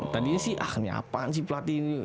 tadinya sih ah ini apaan si pelatih ini